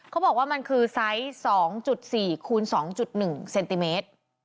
เขาบอกว่ามันคือไซส์๒๔คูณ๒๑เซนติเมตร